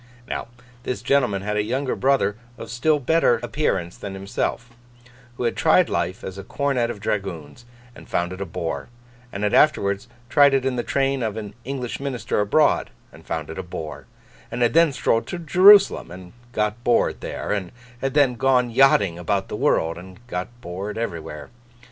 Now, this gentleman had a younger brother of still better appearance than himself, who had tried life as a Cornet of Dragoons, and found it a bore; and had afterwards tried it in the train of an English minister abroad, and found it a bore; and had then strolled to Jerusalem, and got bored there; and had then gone yachting about the world, and got bored everywhere.